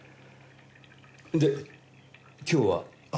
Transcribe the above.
で今日は？